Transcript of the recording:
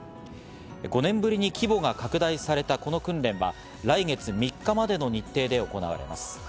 ５年ぶりに規模が拡大されたこの訓練は来月３日までの日程で行われます。